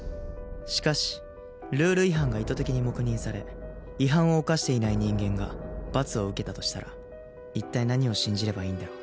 しかしルール違反が意図的に黙認され違反を犯していない人間が罰を受けたとしたら一体何を信じればいいんだろう